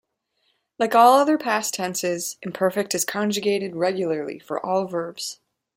Like all other past tenses, imperfect is conjugated regularly for all verbs.